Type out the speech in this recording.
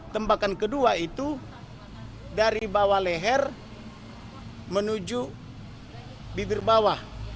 tembakan kedua itu dari bawah leher menuju bibir bawah